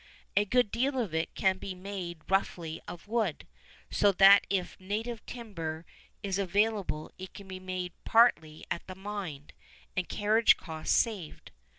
A good deal of it can be made roughly of wood, so that if native timber is available it can be made partly at the mine, and carriage costs saved.